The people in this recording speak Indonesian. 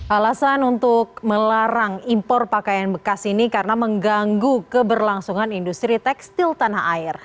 alasan untuk melarang impor pakaian bekas ini karena mengganggu keberlangsungan industri tekstil tanah air